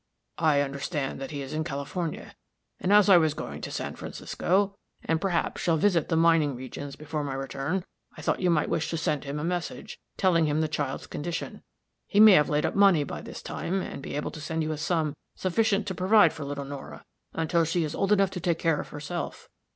"I understand that he is in California; and as I am going to San Francisco, and perhaps shall visit the mining regions before my return, I thought you might wish to send him a message, telling him the child's condition. He may have laid up money by this time, and be able to send you a sum sufficient to provide for little Nora until she is old enough to take care of herself."